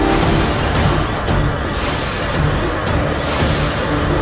saya akan memperbaikinya